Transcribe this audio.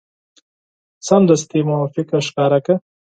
سمدستي موافقه ښکاره کړه.